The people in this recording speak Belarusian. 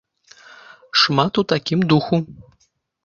Шмат у такім духу.